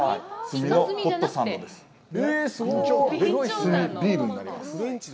炭ビールになります。